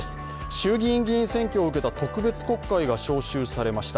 衆議院議員選挙を受けた特別国会が召集されました。